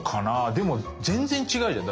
でも全然違うじゃん。